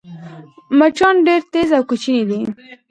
مچان ډېر تېز او کوچني دي